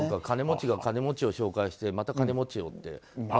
金持ちが金持ちを紹介してまた金持ちをって。